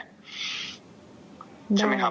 ใช่ไหมครับ